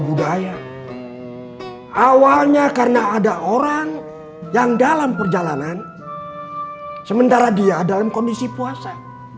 budaya awalnya karena ada orang yang dalam perjalanan sementara dia dalam kondisi puasa